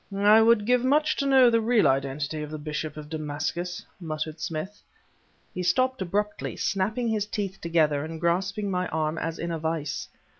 "I would give much to know the real identity of the bishop of Damascus," muttered Smith. He stopped abruptly, snapping his teeth together and grasping my arm as in a vise.